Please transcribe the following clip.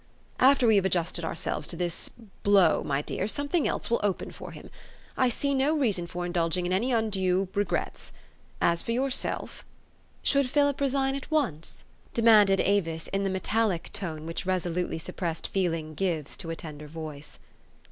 After we have adjusted ourselves to this blow, my dear, something else will open for him. I see no reason for indulging in any undue regrets. As for yourself ''" Should Philip resign at once?" demanded Avis in the metallic tone which resolutely suppressed feeling gives to a tender voice.